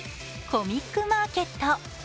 コミックマーケット。